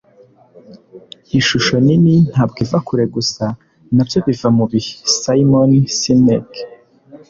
ishusho nini ntabwo iva kure gusa; na byo biva mu bihe. - simon sinek